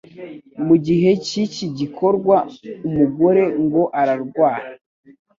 Mu gihe k'iki gikorwa, umugore ngo ararwara